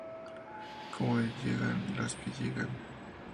Cómo llegan las que llegan.